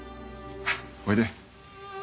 おいで。